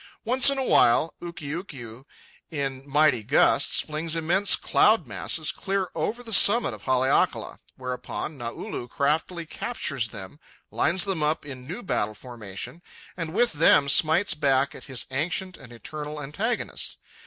Once in a while, Ukiukiu, in mighty gusts, flings immense cloud masses clear over the summit of Haleakala; whereupon Naulu craftily captures them, lines them up in new battle formation, and with them smites back at his ancient and eternal antagonist.